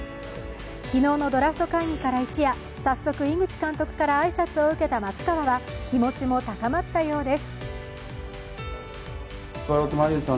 昨日のドラフト会議から一夜、早速井口監督から挨拶を受けた松川は気持ちも高まったようです。